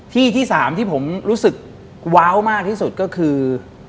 ที่ที่๓ที่ผมรู้สึกว้าวมากที่สุดก็คือ